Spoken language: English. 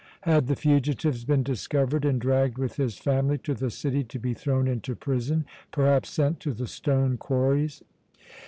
Had the fugitives been discovered and dragged with his family to the city to be thrown into prison, perhaps sent to the stone quarries?